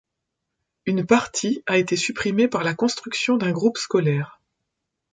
Une partie a été supprimée par la construction d'un groupe scolaire.